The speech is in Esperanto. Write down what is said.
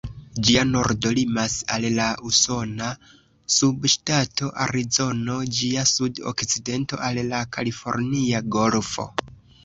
Ĝia nordo limas al la usona subŝtato Arizono, ĝia sud-okcidento al la Kalifornia Golfo.